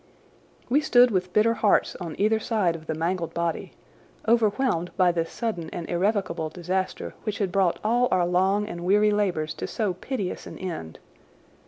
We stood with bitter hearts on either side of the mangled body, overwhelmed by this sudden and irrevocable disaster which had brought all our long and weary labours to so piteous an end.